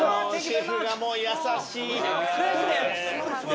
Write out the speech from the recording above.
シェフがもう優しい。早く早く。